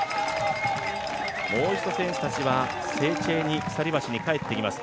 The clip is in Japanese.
もう一度選手たちはセーチェーニ鎖橋に帰ってきます。